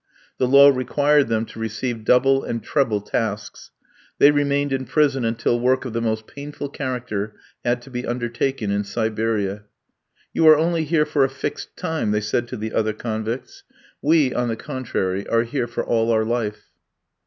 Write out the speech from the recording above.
The law required them to receive double and treble tasks. They remained in prison until work of the most painful character had to be undertaken in Siberia. "You are only here for a fixed time," they said to the other convicts; "we, on the contrary, are here for all our life."